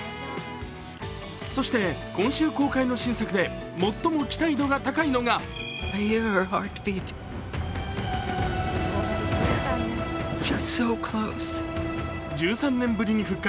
そして今週公開の新作で最も期待度が高いのが１３年ぶりに復活！